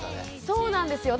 そうなんですよ。